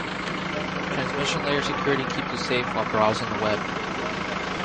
Transmission Layer Security keeps us safe while browsing the web.